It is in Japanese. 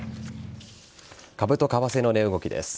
株と為替の値動きです。